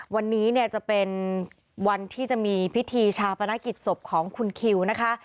วันนี้เนี่ยจะเป็นวันที่จะมีพิธีชาปนกิจศพของคุณคิวนะคะ